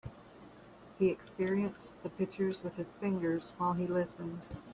He experienced the pictures with his fingers while he listened.